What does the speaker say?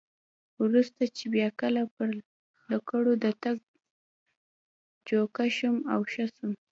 وروسته چې بیا کله پر لکړو د تګ جوګه شوم او ښه وم.